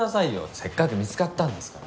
せっかく見つかったんですから。